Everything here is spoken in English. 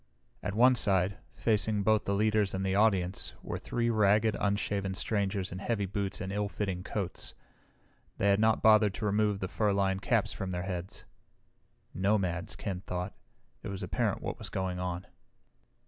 At one side, facing both the leaders and the audience, were three ragged, unshaven strangers in heavy boots and ill fitting coats. They had not bothered to remove the fur lined caps from their heads. Nomads, Ken thought. It was apparent what was going on.